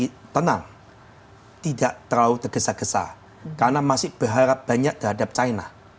karena memang tidak terlalu bergeza geza karena masih berharap banyak terhadap china